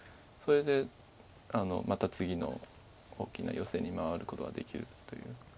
それでまた次の大きなヨセに回ることができるという。